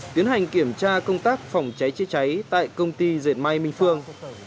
tiến hành kiểm tra công tác phòng cháy chữa cháy tại công ty dệt may minh phương